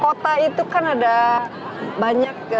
kota itu kan ada banyak